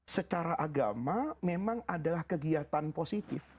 secara agama memang adalah kegiatan positif